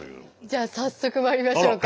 じゃあ早速まいりましょうか。